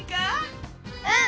うん！